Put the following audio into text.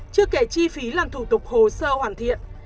chưa kể chi phí làm thủ tục hồ sơ hoàn thiện